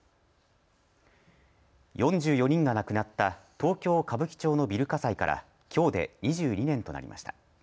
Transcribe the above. ４４人が亡くなった東京・歌舞伎町のビル火災からきょうで２２年となりました。